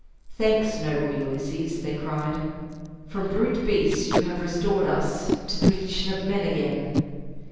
"Thanks, noble Ulysses!" they cried. "From brute beasts you have restored us to the condition of men again."